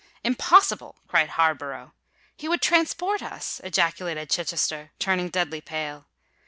"Impossible!" cried Harborough. "He would transport us!" ejaculated Chichester, turning deadly pale.